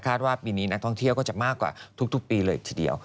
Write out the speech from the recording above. ว่าปีนี้นักท่องเที่ยวก็จะมากกว่าทุกปีเลยทีเดียว